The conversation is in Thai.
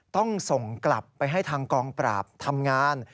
ต้องส่งกลับไปให้ทางกองปราบทำงาน